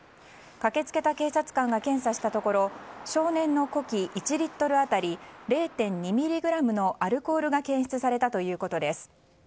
駆け付けた警察官が検査したところ少年の呼気１リットル当たり０．２ｍｇのアルコールが検出されたということです。